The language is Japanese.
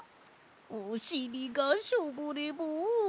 おしりがショボレボン。